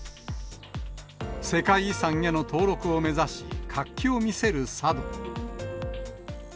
世界遺産への登録を目指し、活気を見せる佐渡。